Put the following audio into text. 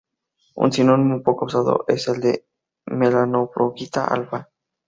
Un sinónimo poco usado es el de melanoflogita-alfa.